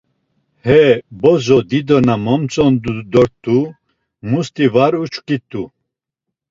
He bozo dido na momtzondut̆u musti var uçkit̆u.